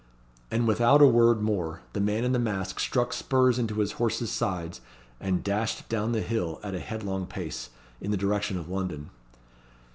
And without a word more, the man in the mask struck spurs into his horse's sides, and dashed down the hill, at a headlong pace, in the direction of London.